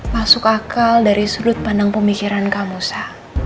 masuk akal dari sudut pandang pemikiran kamu sa